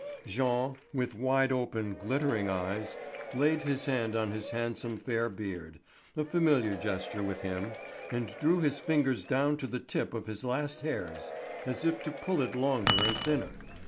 Jean, with wide open, glittering eyes, laid his hand on his handsome fair beard, a familiar gesture with him, and drew his fingers down it to the tip of the last hairs, as if to pull it longer and thinner.